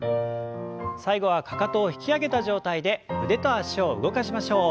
最後はかかとを引き上げた状態で腕と脚を動かしましょう。